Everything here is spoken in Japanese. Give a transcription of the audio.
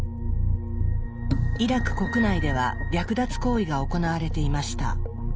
イラク国内では略奪行為が行われていました。